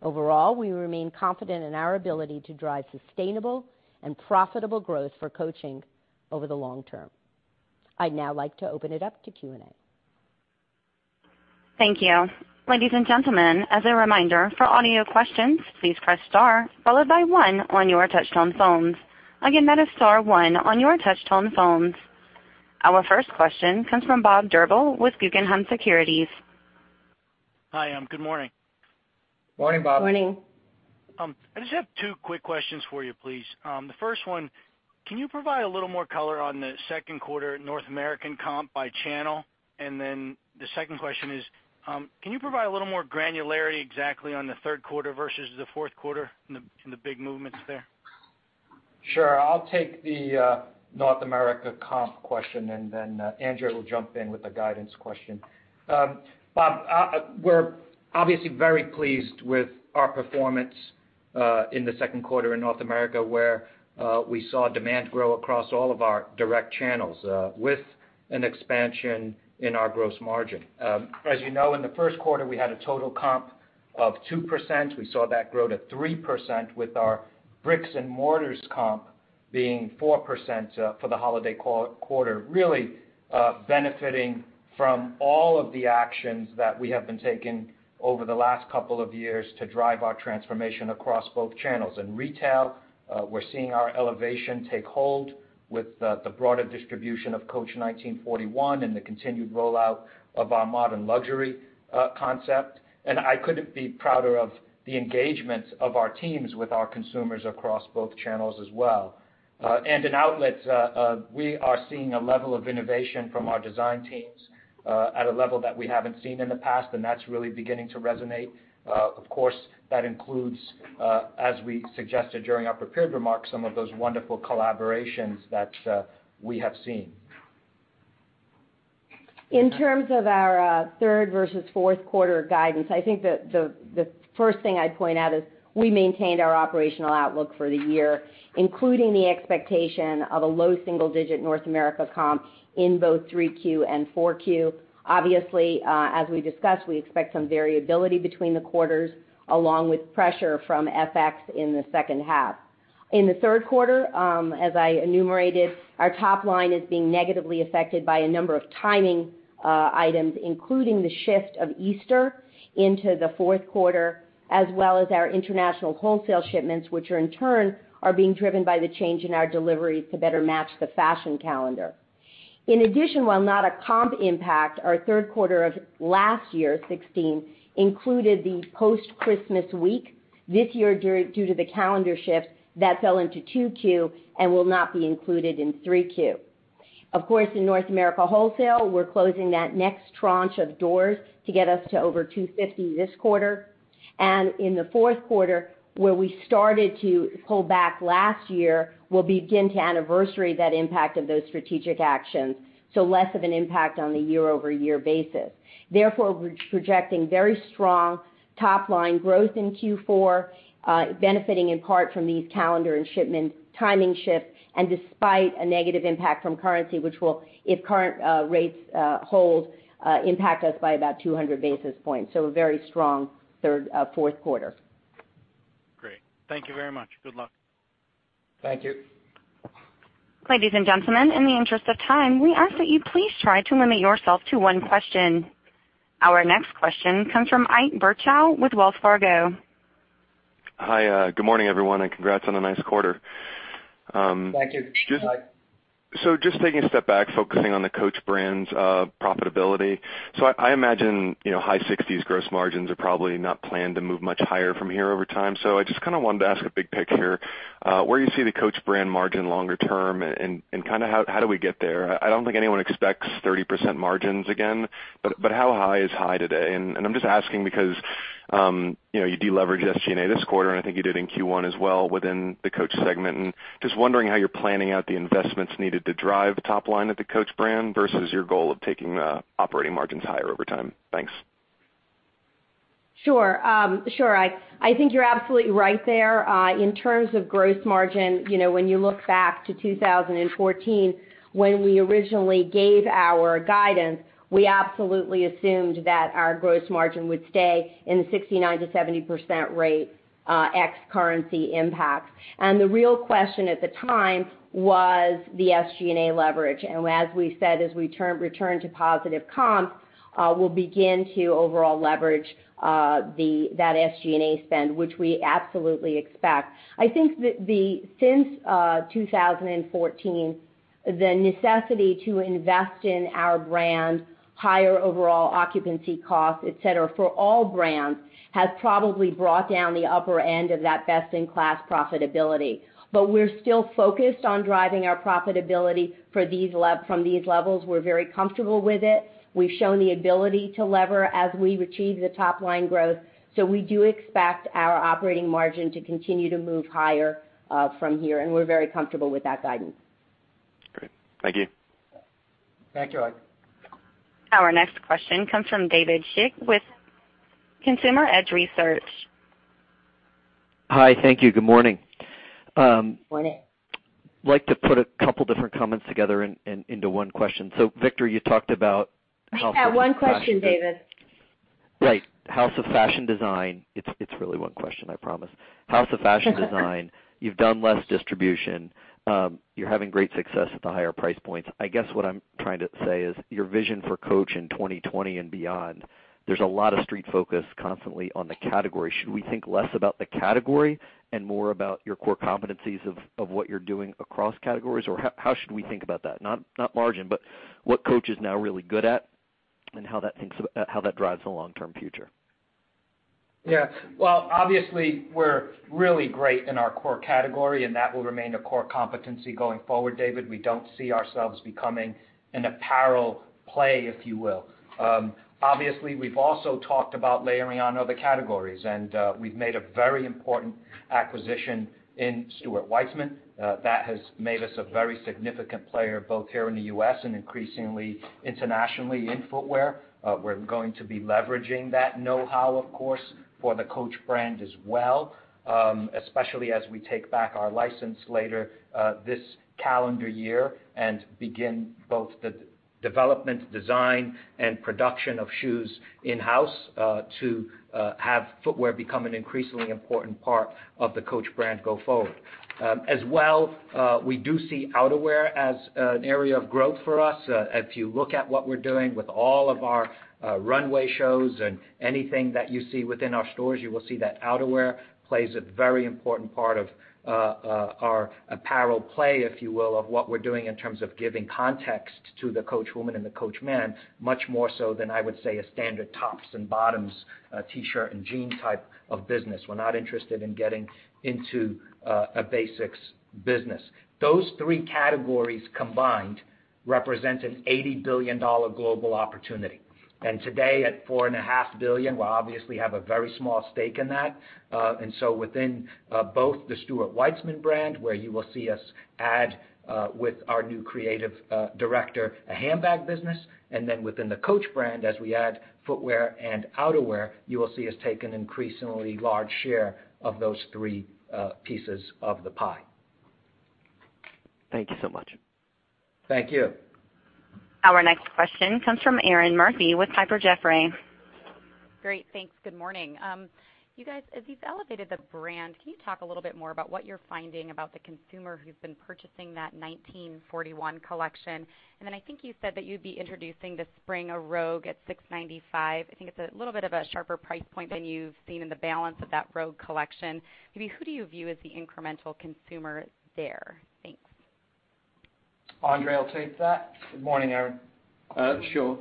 Overall, we remain confident in our ability to drive sustainable and profitable growth for Coach, Inc. over the long term. I'd now like to open it up to Q&A. Thank you. Ladies and gentlemen, as a reminder, for audio questions, please press star followed by one on your touch-tone phones. Again, that is star one on your touch-tone phones. Our first question comes from Bob Drbul with Guggenheim Securities. Hi, good morning. Morning, Bob. Morning. I just have two quick questions for you, please. The first one, can you provide a little more color on the second quarter North American comp by channel? Then the second question is, can you provide a little more granularity exactly on the third quarter versus the fourth quarter in the big movements there? Sure. I'll take the North America comp question, and then Andrea will jump in with the guidance question. Bob, we're obviously very pleased with our performance In the second quarter in North America, where we saw demand grow across all of our direct channels with an expansion in our gross margin. As you know, in the first quarter, we had a total comp of 2%. We saw that grow to 3% with our bricks and mortars comp being 4% for the holiday quarter, really benefiting from all of the actions that we have been taking over the last couple of years to drive our transformation across both channels. In retail, we're seeing our elevation take hold with the broader distribution of Coach 1941 and the continued rollout of our modern luxury concept. I couldn't be prouder of the engagement of our teams with our consumers across both channels as well. In outlets, we are seeing a level of innovation from our design teams at a level that we haven't seen in the past, and that's really beginning to resonate. Of course, that includes, as we suggested during our prepared remarks, some of those wonderful collaborations that we have seen. In terms of our third versus fourth quarter guidance, I think the first thing I'd point out is we maintained our operational outlook for the year, including the expectation of a low single-digit North America comp in both 3Q and 4Q. Obviously, as we discussed, we expect some variability between the quarters, along with pressure from FX in the second half. In the third quarter, as I enumerated, our top line is being negatively affected by a number of timing items, including the shift of Easter into the fourth quarter, as well as our international wholesale shipments, which are, in turn, being driven by the change in our deliveries to better match the fashion calendar. In addition, while not a comp impact, our third quarter of last year, 2016, included the post-Christmas week. This year, due to the calendar shift, that fell into 2Q and will not be included in 3Q. Of course, in North America wholesale, we're closing that next tranche of doors to get us to over 250 this quarter. In the fourth quarter, where we started to pull back last year, we'll begin to anniversary that impact of those strategic actions. Less of an impact on the year-over-year basis. Therefore, we're projecting very strong top-line growth in Q4, benefiting in part from these calendar and shipment timing shifts, and despite a negative impact from currency, which will, if current rates hold, impact us by about 200 basis points. A very strong fourth quarter. Great. Thank you very much. Good luck. Thank you. Ladies and gentlemen, in the interest of time, we ask that you please try to limit yourself to one question. Our next question comes from Ike Boruchow with Wells Fargo. Hi. Good morning, everyone, and congrats on a nice quarter. Thank you, Ike. Just taking a step back, focusing on the Coach brand's profitability. I imagine high 60s gross margins are probably not planned to move much higher from here over time. I just wanted to ask a big pic here, where you see the Coach brand margin longer term and how do we get there? I don't think anyone expects 30% margins again, but how high is high today? I'm just asking because you de-leveraged SG&A this quarter, I think you did in Q1 as well within the Coach segment. Just wondering how you're planning out the investments needed to drive top line at the Coach brand versus your goal of taking operating margins higher over time. Thanks. Sure. Ike, I think you're absolutely right there. In terms of gross margin, when you look back to 2014, when we originally gave our guidance, we absolutely assumed that our gross margin would stay in the 69%-70% rate ex currency impact. The real question at the time was the SG&A leverage. As we said, as we return to positive comps, we'll begin to overall leverage that SG&A spend, which we absolutely expect. I think that since 2014, the necessity to invest in our brand, higher overall occupancy costs, et cetera, for all brands, has probably brought down the upper end of that best-in-class profitability. We're still focused on driving our profitability from these levels. We're very comfortable with it. We've shown the ability to lever as we achieve the top-line growth. We do expect our operating margin to continue to move higher from here, and we're very comfortable with that guidance. Great. Thank you. Thank you, Ike. Our next question comes from David Schick with Consumer Edge Research. Hi. Thank you. Good morning. Morning. Like to put a couple different comments together into one question. Victor, you talked about- Yeah, one question, David. Right. House of fashion design. It's really one question, I promise. House of fashion design. You've done less distribution. You're having great success at the higher price points. I guess what I'm trying to say is your vision for Coach in 2020 and beyond, there's a lot of street focus constantly on the category. Should we think less about the category and more about your core competencies of what you're doing across categories? How should we think about that? Not margin, but what Coach is now really good at and how that drives the long-term future. Yeah. Well, obviously, we're really great in our core category, and that will remain a core competency going forward, David. We don't see ourselves becoming an apparel play, if you will. Obviously, we've also talked about layering on other categories, and we've made a very important acquisition in Stuart Weitzman. That has made us a very significant player, both here in the U.S. and increasingly internationally in footwear. We're going to be leveraging that knowhow, of course, for the Coach brand as well, especially as we take back our license later this calendar year and begin both the development, design, and production of shoes in-house to have footwear become an increasingly important part of the Coach brand go forward. As well, we do see outerwear as an area of growth for us. If you look at what we're doing with all of our runway shows and anything that you see within our stores, you will see that outerwear plays a very important part of our apparel play, if you will, of what we're doing in terms of giving context to the Coach woman and the Coach man, much more so than, I would say, a standard tops and bottoms T-shirt and jean type of business. We're not interested in getting into a basics business. Those three categories combined represent an $80 billion global opportunity. Today, at $4.5 billion, we obviously have a very small stake in that. Within both the Stuart Weitzman brand, where you will see us add with our new creative director, a handbag business, then within the Coach brand, as we add footwear and outerwear, you will see us take an increasingly large share of those three pieces of the pie. Thank you so much. Thank you. Our next question comes from Erinn Murphy with Piper Jaffray. Great. Thanks. Good morning. You guys, as you've elevated the brand, can you talk a little bit more about what you're finding about the consumer who's been purchasing that 1941 collection? Then I think you said that you'd be introducing the spring of Rogue at $695. I think it's a little bit of a sharper price point than you've seen in the balance of that Rogue collection. Maybe who do you view as the incremental consumer there? Thanks. Andre, I'll take that. Good morning, Erinn. Sure.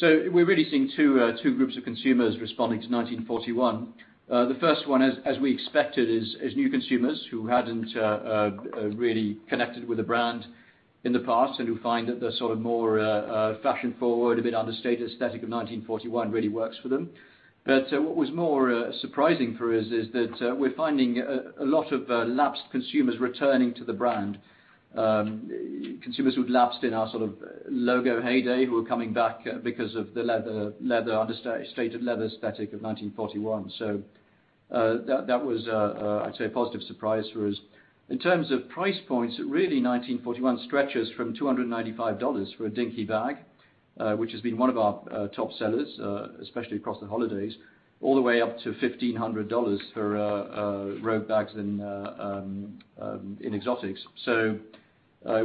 We're really seeing two groups of consumers responding to 1941. The first one, as we expected, is new consumers who hadn't really connected with the brand in the past and who find that the sort of more fashion-forward, a bit understated aesthetic of 1941 really works for them. What was more surprising for us is that we're finding a lot of lapsed consumers returning to the brand. Consumers who'd lapsed in our sort of logo heyday, who are coming back because of the understated leather aesthetic of 1941. That was, I'd say, a positive surprise for us. In terms of price points, really, 1941 stretches from $295 for a Dinky bag, which has been one of our top sellers, especially across the holidays, all the way up to $1,500 for Rogue bags in exotics.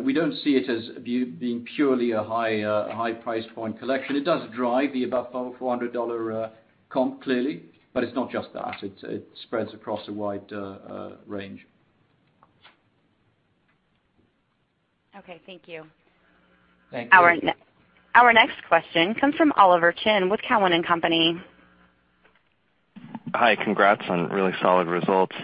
We don't see it as being purely a high price point collection. It does drive the above $400 comp, clearly, but it's not just that. It spreads across a wide range. Okay, thank you. Thank you. Our next question comes from Oliver Chen with Cowen and Company. Hi. Congrats on really solid results.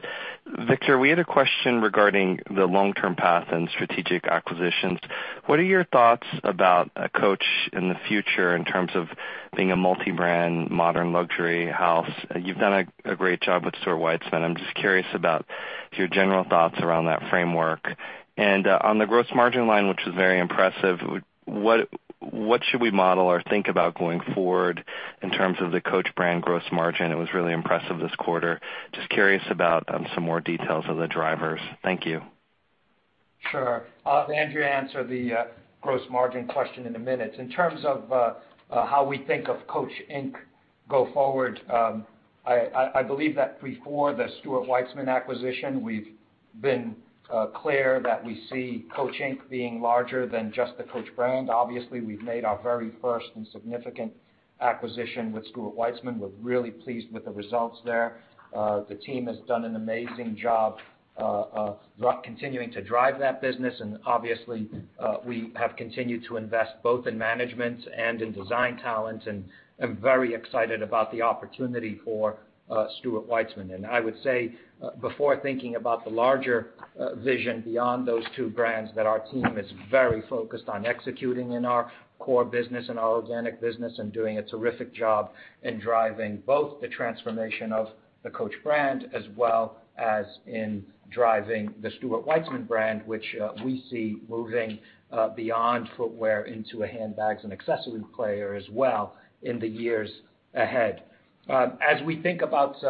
Victor, we had a question regarding the long-term path and strategic acquisitions. What are your thoughts about Coach in the future in terms of being a multi-brand modern luxury house? You've done a great job with Stuart Weitzman. I'm just curious about your general thoughts around that framework. On the gross margin line, which was very impressive, what should we model or think about going forward in terms of the Coach brand gross margin? It was really impressive this quarter. Just curious about some more details of the drivers. Thank you. Sure. I'll have Andre answer the gross margin question in a minute. In terms of how we think of Coach, Inc. go forward, I believe that before the Stuart Weitzman acquisition, we've been clear that we see Coach, Inc. being larger than just the Coach brand. Obviously, we've made our very first and significant acquisition with Stuart Weitzman. We're really pleased with the results there. The team has done an amazing job of continuing to drive that business. Obviously, we have continued to invest both in management and in design talent, and I'm very excited about the opportunity for Stuart Weitzman. I would say, before thinking about the larger vision beyond those two brands, that our team is very focused on executing in our core business and our organic business and doing a terrific job in driving both the transformation of the Coach brand as well as in driving the Stuart Weitzman brand, which we see moving beyond footwear into a handbags and accessories player as well in the years ahead. As we think about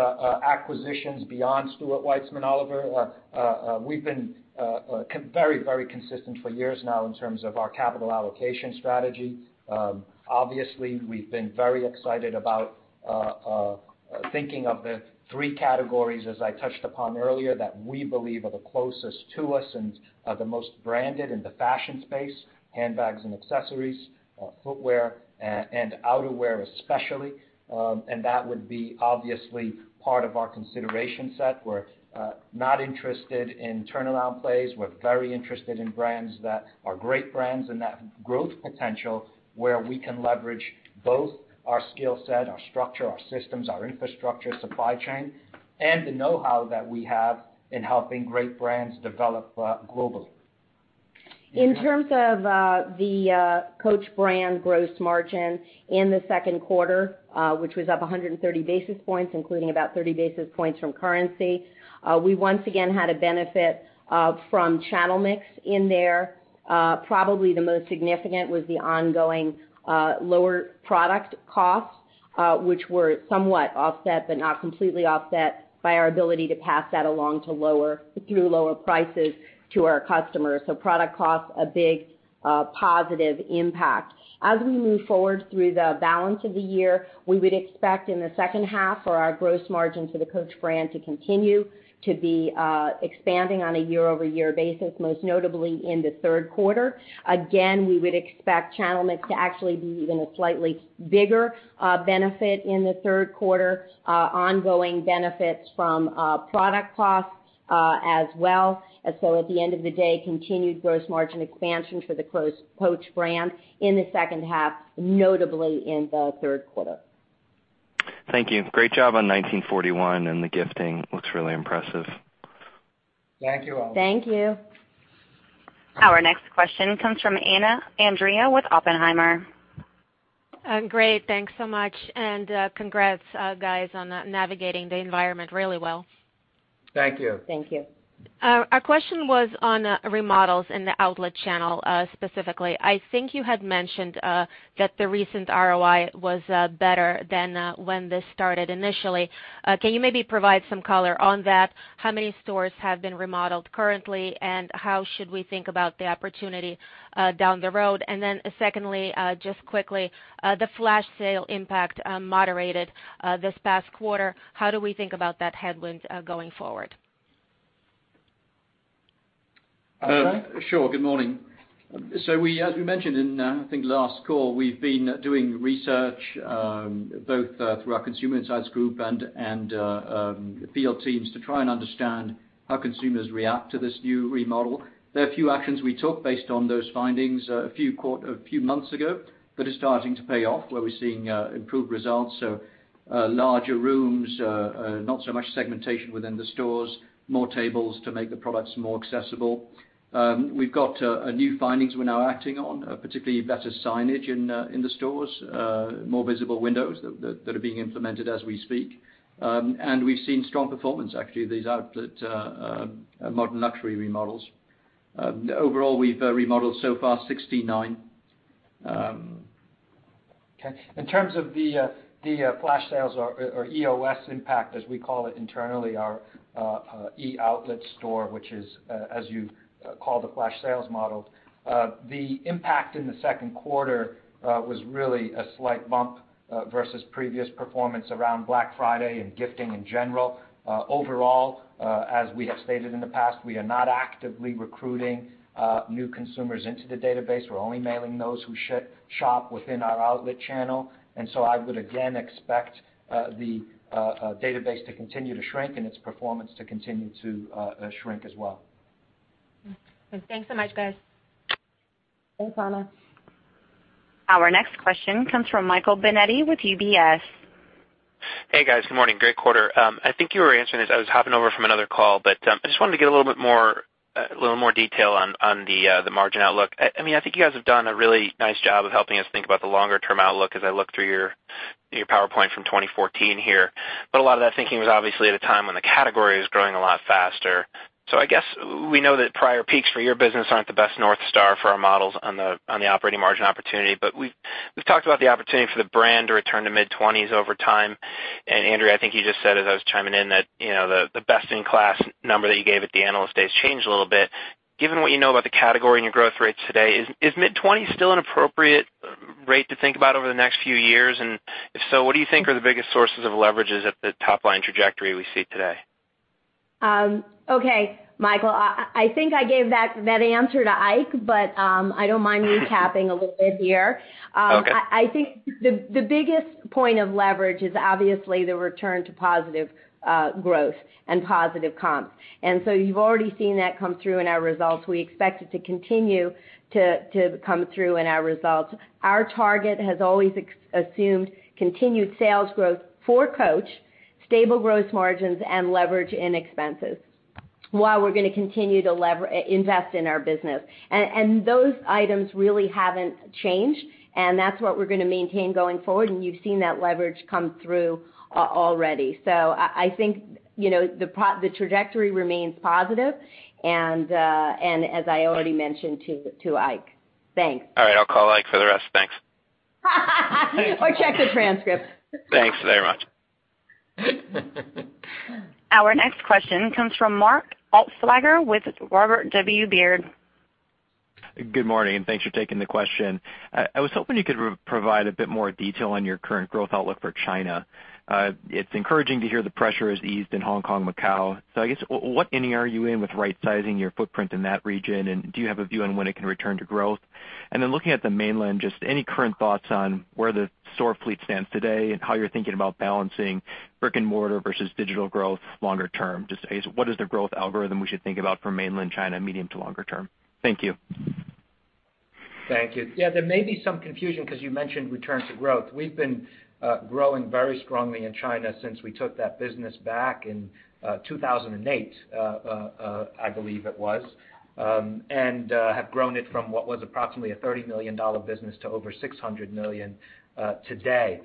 acquisitions beyond Stuart Weitzman, Oliver, we've been very consistent for years now in terms of our capital allocation strategy. Obviously, we've been very excited about thinking of the three categories, as I touched upon earlier, that we believe are the closest to us and are the most branded in the fashion space, handbags and accessories, footwear, and outerwear especially. That would be obviously part of our consideration set. We're not interested in turnaround plays. We're very interested in brands that are great brands and that have growth potential where we can leverage both our skill set, our structure, our systems, our infrastructure, supply chain, and the know-how that we have in helping great brands develop globally. In terms of the Coach brand gross margin in the second quarter, which was up 130 basis points, including about 30 basis points from currency, we once again had a benefit from channel mix in there. Probably the most significant was the ongoing lower product costs, which were somewhat offset but not completely offset by our ability to pass that along through lower prices to our customers. Product costs, a big positive impact. As we move forward through the balance of the year, we would expect in the second half for our gross margin for the Coach brand to continue to be expanding on a year-over-year basis, most notably in the third quarter. Again, we would expect channel mix to actually be even a slightly bigger benefit in the third quarter. Ongoing benefits from product costs as well. At the end of the day, continued gross margin expansion for the Coach brand in the second half, notably in the third quarter. Thank you. Great job on 1941, the gifting looks really impressive. Thank you, Oliver. Thank you. Our next question comes from Anna Andreeva with Oppenheimer. Great. Thanks so much, congrats, guys, on navigating the environment really well. Thank you. Thank you. Our question was on remodels in the outlet channel specifically. I think you had mentioned that the recent ROI was better than when this started initially. Can you maybe provide some color on that? How many stores have been remodeled currently, and how should we think about the opportunity down the road? Secondly, just quickly, the flash sale impact moderated this past quarter. How do we think about that headwind going forward? Ike? Sure. Good morning. As we mentioned in, I think, last call, we've been doing research both through our consumer insights group and field teams to try and understand how consumers react to this new remodel. There are a few actions we took based on those findings a few months ago that are starting to pay off, where we're seeing improved results, so larger rooms, not so much segmentation within the stores, more tables to make the products more accessible. We've got new findings we're now acting on, particularly better signage in the stores, more visible windows that are being implemented as we speak. We've seen strong performance, actually, of these outlet modern luxury remodels. Overall, we've remodeled so far 69. Okay. In terms of the flash sales or EOS impact, as we call it internally, our e-outlet store, which is as you call the flash sales model. The impact in the second quarter was really a slight bump versus previous performance around Black Friday and gifting in general. Overall, as we have stated in the past, we are not actively recruiting new consumers into the database. We're only mailing those who shop within our outlet channel. I would again expect the database to continue to shrink and its performance to continue to shrink as well. Thanks so much, guys. Thanks, Anna. Our next question comes from Michael Binetti with UBS. Hey, guys. Good morning. Great quarter. I think you were answering this. I was hopping over from another call. I just wanted to get a little more detail on the margin outlook. I think you guys have done a really nice job of helping us think about the longer-term outlook as I look through your PowerPoint from 2014 here. A lot of that thinking was obviously at a time when the category was growing a lot faster. I guess we know that prior peaks for your business aren't the best North Star for our models on the operating margin opportunity. We've talked about the opportunity for the brand to return to mid-20s% over time. Andrea, I think you just said as I was chiming in that the best-in-class number that you gave at the Analyst Days changed a little bit. Given what you know about the category and your growth rates today, is mid-20 still an appropriate rate to think about over the next few years? If so, what do you think are the biggest sources of leverages at the top-line trajectory we see today? Okay. Michael Binetti, I think I gave that answer to Ike Boruchow, but I don't mind recapping a little bit here. Okay. I think the biggest point of leverage is obviously the return to positive growth and positive comps. You've already seen that come through in our results. We expect it to continue to come through in our results. Our target has always assumed continued sales growth for Coach, stable growth margins, and leverage in expenses while we're going to continue to invest in our business. Those items really haven't changed, and that's what we're going to maintain going forward, and you've seen that leverage come through already. I think the trajectory remains positive and as I already mentioned to Ike Boruchow. Thanks. All right. I'll call Ike Boruchow for the rest. Thanks. Check the transcript. Thanks very much. Our next question comes from Mark Altschwager with Robert W. Baird. Good morning. Thanks for taking the question. I was hoping you could provide a bit more detail on your current growth outlook for China. It's encouraging to hear the pressure has eased in Hong Kong, Macau. I guess what inning are you in with right-sizing your footprint in that region, and do you have a view on when it can return to growth? Looking at the mainland, just any current thoughts on where the store fleet stands today and how you're thinking about balancing brick-and-mortar versus digital growth longer term? Just what is the growth algorithm we should think about for mainland China medium to longer term? Thank you. Thank you. There may be some confusion because you mentioned return to growth. We've been growing very strongly in China since we took that business back in 2008, I believe it was, and have grown it from what was approximately a $30 million business to over $600 million today.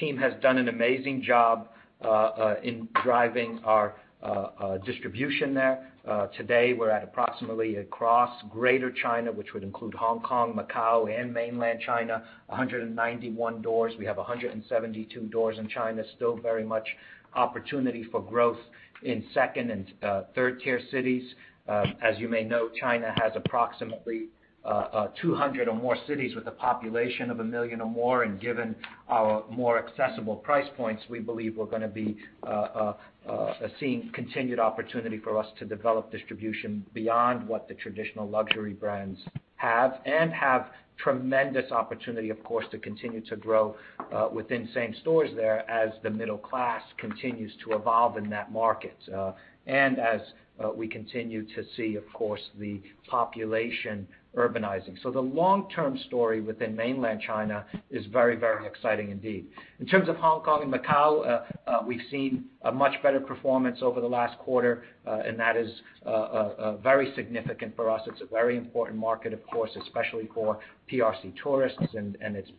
Team has done an amazing job in driving our distribution there. Today, we're at approximately across Greater China, which would include Hong Kong, Macau, and Mainland China, 191 doors. We have 172 doors in China. Still very much opportunity for growth in second and third-tier cities. As you may know, China has approximately 200 or more cities with a population of a million or more, and given our more accessible price points, we believe we're going to be seeing continued opportunity for us to develop distribution beyond what the traditional luxury brands have. Have tremendous opportunity, of course, to continue to grow within same stores there as the middle class continues to evolve in that market, and as we continue to see, of course, the population urbanizing. The long-term story within Mainland China is very, very exciting indeed. In terms of Hong Kong and Macau, we've seen a much better performance over the last quarter, and that is very significant for us. It's a very important market, of course, especially for PRC tourists, and it's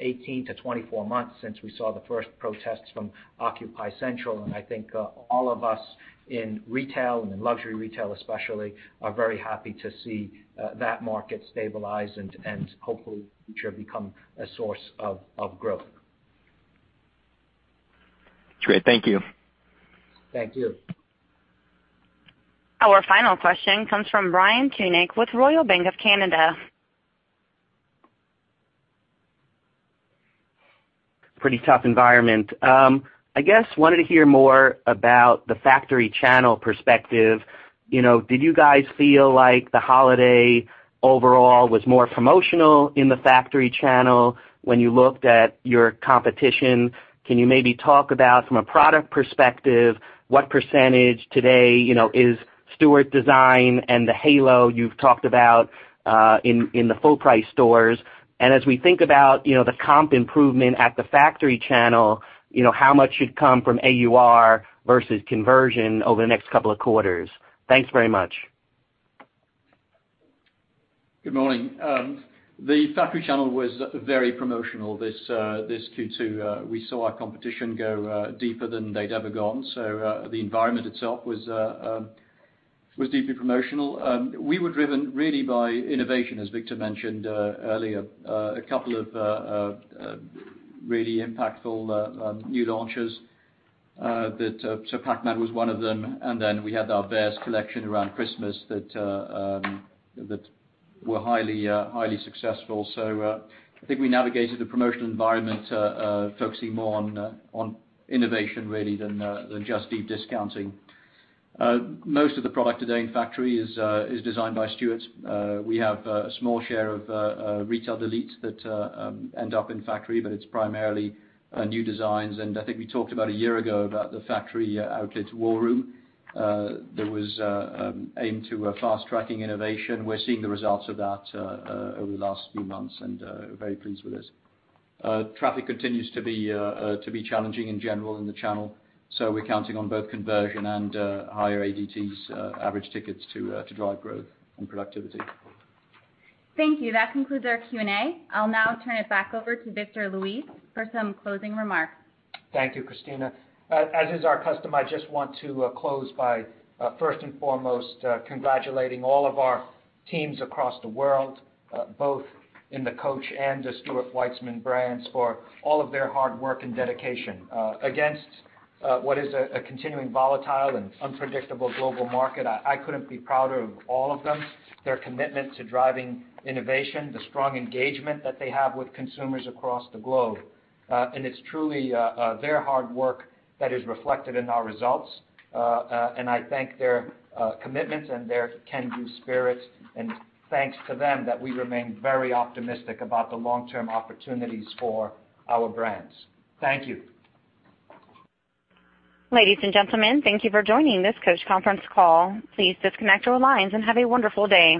18 to 24 months since we saw the first protests from Occupy Central. I think all of us in retail and in luxury retail especially, are very happy to see that market stabilize and hopefully in future become a source of growth. Great. Thank you. Thank you. Our final question comes from Brian Tunick with Royal Bank of Canada. Pretty tough environment. I guess, I wanted to hear more about the factory channel perspective. Did you guys feel like the holiday overall was more promotional in the factory channel when you looked at your competition? Can you maybe talk about from a product perspective, what percentage today is Stuart design and the halo you've talked about in the full price stores? As we think about the comp improvement at the factory channel, how much should come from AUR versus conversion over the next couple of quarters? Thanks very much. Good morning. The factory channel was very promotional this Q2. We saw our competition go deeper than they'd ever gone. The environment itself was deeply promotional. We were driven really by innovation, as Victor mentioned earlier. A couple of really impactful new launches. Pac-Man was one of them, and then we had our Bears collection around Christmas that were highly successful. I think we navigated the promotional environment focusing more on innovation really than just deep discounting. Most of the product today in factory is designed by Stuart. We have a small share of retail deletes that end up in factory, but it's primarily new designs. I think we talked about a year ago about the factory outlet war room. There was aim to fast-tracking innovation. We're seeing the results of that over the last few months and very pleased with it. Traffic continues to be challenging in general in the channel. We're counting on both conversion and higher ADTs, average tickets, to drive growth and productivity. Thank you. That concludes our Q&A. I'll now turn it back over to Victor Luis for some closing remarks. Thank you, Christina. As is our custom, I just want to close by first and foremost congratulating all of our teams across the world, both in the Coach and the Stuart Weitzman brands, for all of their hard work and dedication against what is a continuing volatile and unpredictable global market. I couldn't be prouder of all of them, their commitment to driving innovation, the strong engagement that they have with consumers across the globe. It's truly their hard work that is reflected in our results, and I thank their commitments and their can-do spirits, and thanks to them that we remain very optimistic about the long-term opportunities for our brands. Thank you. Ladies and gentlemen, thank you for joining this Coach conference call. Please disconnect your lines and have a wonderful day.